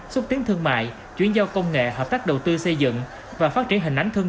xúc tiến thương mại chuyển giao công nghệ hợp tác đầu tư xây dựng và phát triển hình ánh thương